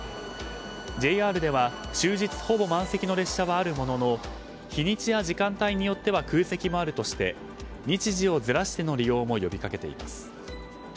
ＪＲでは終日ほぼ満席の列車はあるものの日にちや時間帯によっては空席もあるとして日時をずらしての利用も呼びかけています。